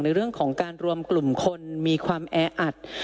ในเรื่องของการรวมกลุ่มคนมีความแออัด